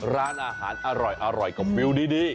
ร้านอาหารอร่อยกับวิวดี